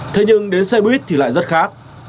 thế nhưng đến xe buýt thì lại rất khác